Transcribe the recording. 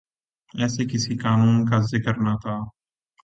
ایسے کسی قانون کا ذکر نہ تھا۔